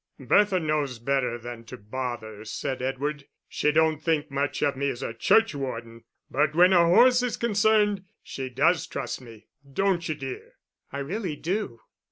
"Bertha knows better than to bother," said Edward. "She don't think much of me as a churchwarden, but when a horse is concerned, she does trust me; don't you, dear?" "I really do."